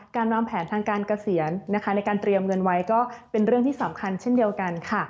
การวางแผนทางการเกษียณในการเตรียมเงินไว้ก็เป็นเรื่องที่สำคัญเช่นเดียวกันค่ะ